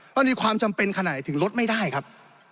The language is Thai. มันมีความจำเป็นขนาดไหนถึงลดไม่ได้ครับ